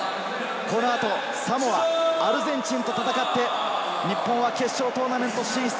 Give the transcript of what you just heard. このあとサモア、アルゼンチンと戦って、日本は決勝トーナメント進出。